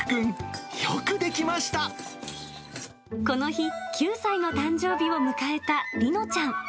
この日、９歳の誕生日を迎えた梨乃ちゃん。